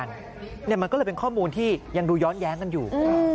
อันนี้ได้เลยมันก็เป็นข้อมูลที่ยังย้อนแย้งทั้งอยู่